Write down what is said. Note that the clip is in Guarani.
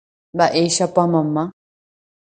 Mba'éichapa mamá.